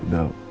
sudah udah udah